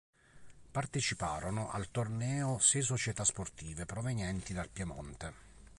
Parteciparono al torneo sei società sportive provenienti dal Piemonte.